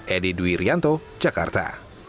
eddy duy rianto jakarta